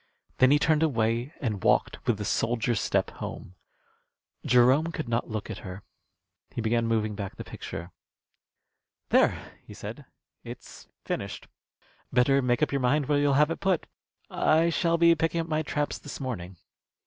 Then he turned away and walked with the soldier's step home. Jerome could not look at her. He began moving back the picture. "There!" he said, "it's finished. Better make up your mind where you'll have it put. I shall be picking up my traps this morning."